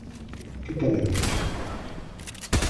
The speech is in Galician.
Que quere beber?